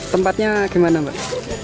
tempatnya gimana mbak